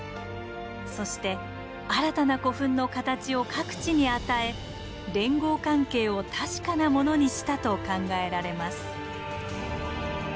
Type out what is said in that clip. そして新たな古墳の形を各地に与え連合関係を確かなものにしたと考えられます。